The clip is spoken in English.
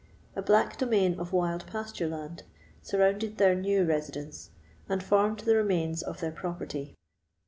A black domain of wild pasture land surrounded their new residence, and formed the remains of their property.